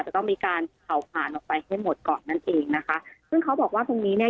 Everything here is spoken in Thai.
จะต้องมีการเผาผ่านออกไปให้หมดก่อนนั่นเองนะคะซึ่งเขาบอกว่าตรงนี้เนี้ย